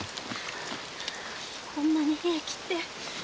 こんなに冷え切って。